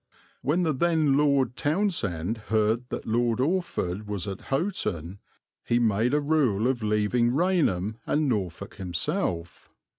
When the then Lord Townshend heard that Lord Orford was at Houghton he made a rule of leaving Rainham and Norfolk himself.